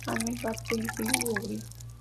James's Gate Brewery Dublín.